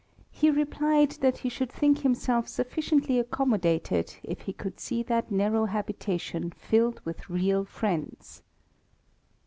he replied, that he should think himself sufficiently accommodated, if he could see that narrow habitation filled with real friends.